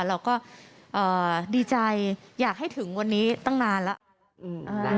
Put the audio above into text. เราก็ดีใจอยากให้ถึงวันนี้ตั้งนานแล้ว